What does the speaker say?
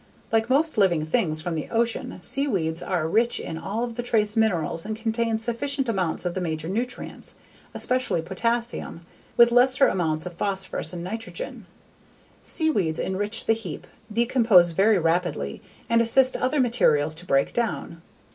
Like most living things from the ocean seaweeds are rich in all of the trace minerals and contain significant amounts of the major nutrients, especially potassium, with lesser amounts of phosphorus and nitrogen. Seaweeds enrich the heap, decompose very rapidly, and assist other materials to break down.